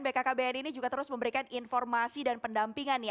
bkkbn ini juga terus memberikan informasi dan pendampingan ya